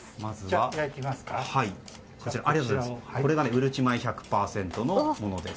これがうるち米１００％のものです。